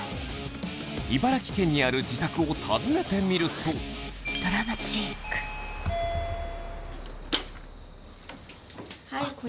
茨城県にある自宅を訪ねてみるとはいこんにちは。